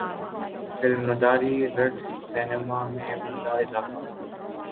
film مداری رٹ cinema میں عمدہ اضافہ